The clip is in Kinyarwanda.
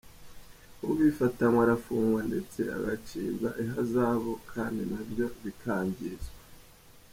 Ubifatanywe arafungwa ndetse agacibwa ihazabu, kandi na byo bikangizwa."